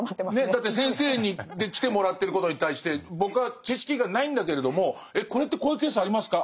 だって先生に来てもらってることに対して僕は知識がないんだけれども「これってこういうケースありますか？